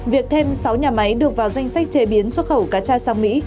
việc thêm sáu nhà máy được vào danh sách chế biến xuất khẩu cá tra sang mỹ